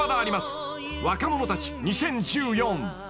『若者たち２０１４』］